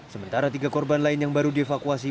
sementara tiga korban lain yang baru dievakuasi